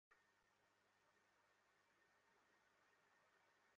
সালমা সোবহান বলতেন, মানবাধিকার লঙ্ঘিত হলে প্রত্যেক মানুষকে ক্রোধান্বিত হতে হবে।